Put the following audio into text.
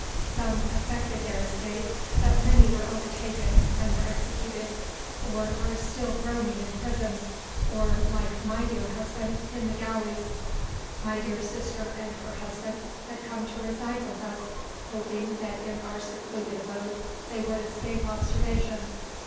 Some effected their escape, but many were overtaken, and were executed, or are still groaning in prisons, or, like my dear husband, in the galleys. My dear sister and her husband had come to reside with us, hoping that in our secluded abode they would escape observation.